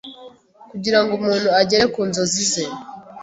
Kugira ngo umuntu agere ku nzozi ze